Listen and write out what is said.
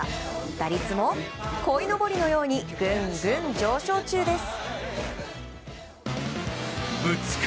打率もこいのぼりのようにぐんぐん上昇中です。